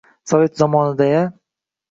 Sovet zamonida-ya?